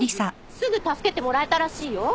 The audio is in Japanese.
すぐ助けてもらえたらしいよ。